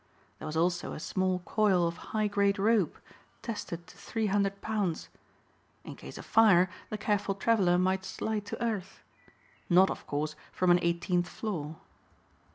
There was also a small coil of high grade rope, tested to three hundred pounds. In case of fire the careful traveler might slide to earth. Not, of course, from an eighteenth floor.